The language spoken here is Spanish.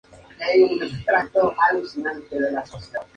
Todo el país le cree culpable.